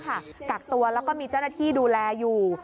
กักตัวแล้วก็มีเจ้าหน้าที่ดูแลอยู่